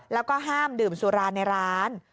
แล้วก็ห้ามดื่มสุราในร้าน